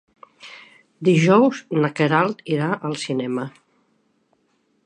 Dijous na Queralt irà al cinema.